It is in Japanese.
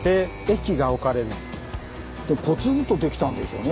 ポツンとできたんでしょうね